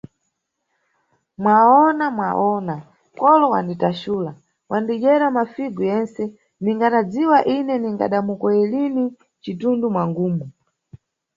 Mwawona, Mwawona, kolo wanditaxula, wadidyera mafigu yentse, ndigadadziwa ine ningada mukoye lini mcindundu mwangumu.